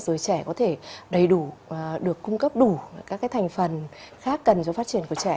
rồi trẻ có thể đầy đủ được cung cấp đủ các cái thành phần khác cần cho phát triển của trẻ